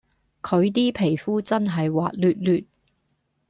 佢 D 皮膚真係滑捋捋